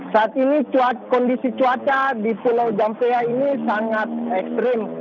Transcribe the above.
saat ini kondisi cuaca di pulau jampea ini sangat ekstrim